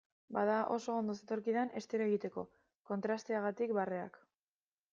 Bada oso ondo zetorkidan estereo egiteko, kontrasteagatik barreak.